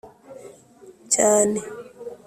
cyane